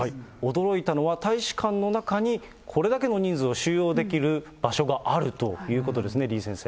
驚いたのは大使館の中に、これだけの人数を収容できる場所があるということですね、李先生。